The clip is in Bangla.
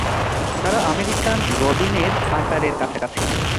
তারা আমেরিকান রবিনের আকারের কাছাকাছি।